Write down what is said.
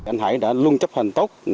anh hải đã luôn chấp hành tốt